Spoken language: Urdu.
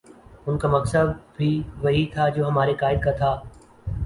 ان کا مقصد بھی وہی تھا جو ہمارے قاہد کا تھا